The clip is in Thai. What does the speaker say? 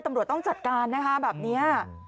ตำรวจต้องจัดการนะคะแบบนี้